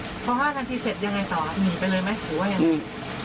พอ๕นาทีเสร็จยังไงต่อหนีไปเลยมั้ย